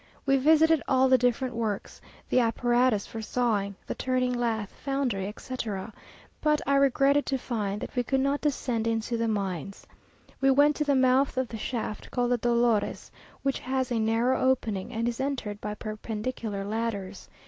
We visited all the different works; the apparatus for sawing, the turning lathe, foundry, etc.; but I regretted to find that we could not descend into the mines. We went to the mouth of the shaft called the Dolores, which has a narrow opening, and is entered by perpendicular ladders.